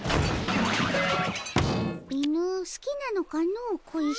犬好きなのかの小石。